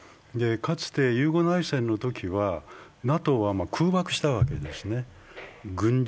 かつてユーゴ内戦のときはＮＡＴＯは空爆したわけですね。